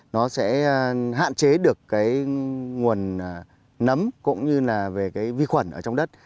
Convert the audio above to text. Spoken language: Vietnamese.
nó sẽ hạn chế được cái nguồn nấm cũng như là về cái vi khuẩn ở trong đất